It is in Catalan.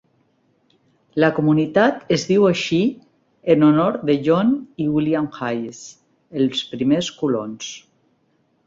La comunitat es diu així en honor de John i William Hayes, els primer colons.